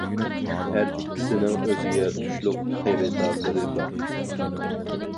ھەر ئىككىسىنىڭ ئۆزىگە تۇشلۇق خېرىدارلىرى بار.